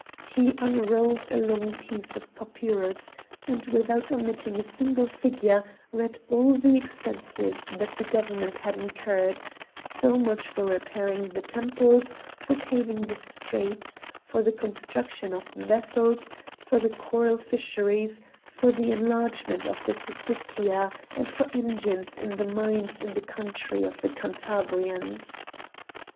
He unrolled a long piece of papyrus; and, without omitting a single figure, read all the expenses that the government had incurred; so much for repairing the temples, for paving the streets, for the construction of vessels, for the coral fisheries, for the enlargement of the Syssitia, and for engines in the mines in the country of the Cantabrians.